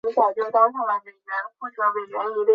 凹刺足蛛为光盔蛛科刺足蛛属的动物。